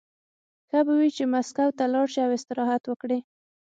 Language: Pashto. ښه به وي چې مسکو ته لاړ شي او استراحت وکړي